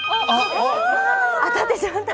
当たってしまった。